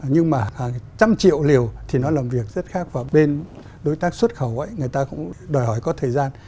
nhưng mà trăm triệu liều thì nó là một việc rất khác và bên đối tác xuất khẩu ấy người ta cũng đòi hỏi có thời gian